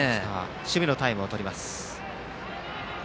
守備のタイムを取ります。